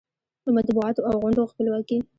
د مطبوعاتو او غونډو خپلواکي